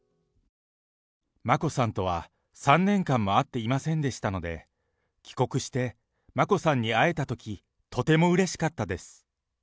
眞子さんとは３年間も会っていませんでしたので、帰国して、眞子さんに会えたときとてもうれしかったです。